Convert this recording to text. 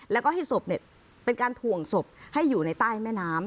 แล้วก็ให้ศพเป็นการถ่วงศพให้อยู่ในใต้แม่น้ำ